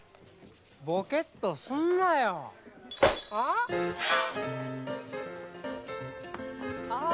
ボケっとすんなよああ？